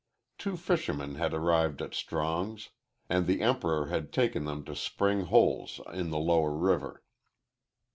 Two fishermen had arrived at Strong's, and the Emperor had taken them to spring holes in the lower river.